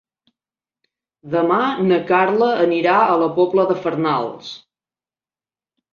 Demà na Carla anirà a la Pobla de Farnals.